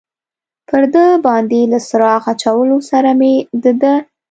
پر ده باندې له څراغ اچولو سره مې د ده.